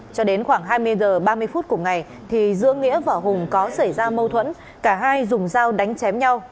cho đến khoảng hai mươi h ba mươi phút cùng ngày thì giữa nghĩa và hùng có xảy ra mâu thuẫn cả hai dùng dao đánh chém nhau